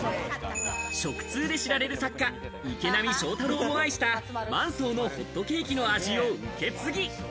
食通で知られる作家・池波正太郎も愛した、万惣のホットケーキの味を受け継ぎ。